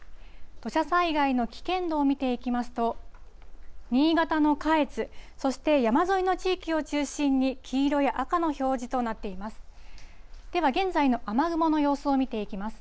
土砂災害の危険度を見ていきますと、新潟の下越、そして山沿いの地域を中心に、黄色や赤の表示となっています。